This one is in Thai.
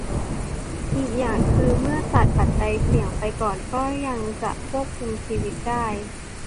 อีกอย่างคือเมื่อตัดปัจจัยเสี่ยงไปก่อนก็ยังจะควบคุมชีวิตได้